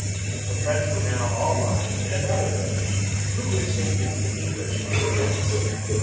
The French were now all lying in another village, through which they knew the English must pass.